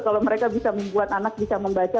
kalau mereka bisa membuat anak bisa membaca